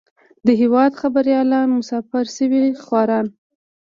د هېواد خبريالان مسافر سوي خواران.